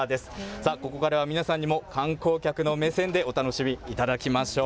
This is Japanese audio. さあ、ここからは皆さんにも、観光客の目線でお楽しみいただきましょう。